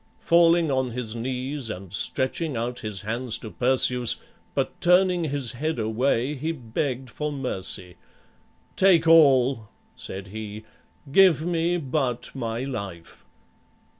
Falling on his knees and stretching out his hands to Perseus, but turning his head away he begged for mercy. "Take all," said he, "give me but my life."